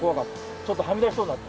ちょっとはみ出しそうになった。